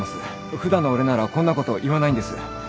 普段の俺ならこんなこと言わないんです。